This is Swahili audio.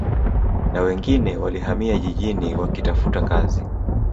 Na wengine walihamia jijini wakitafuta kazi